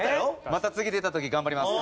また次出た時頑張ります。